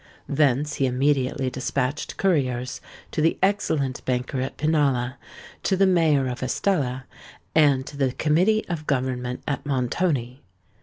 Thence he immediately despatched couriers to the excellent banker at Pinalla, to the mayor of Estella, and to the Committee of Government at Montoni.